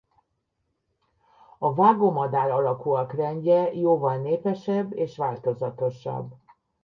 A vágómadár-alakúak rendje jóval népesebb és változatosabb.